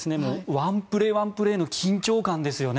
ワンプレー、ワンプレーの緊張感ですよね。